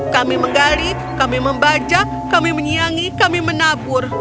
kami menggali kami membajak kami menyiangi kami menabur